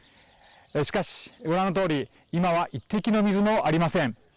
しかし、ご覧のとおり今は一滴の水もありません。